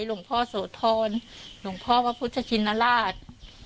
หลวงพ่อโสธรหลวงพ่อพระพุทธชินราช